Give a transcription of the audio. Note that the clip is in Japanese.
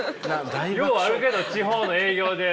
ようあるけど地方の営業で。